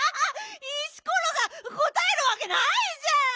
石ころがこたえるわけないじゃん！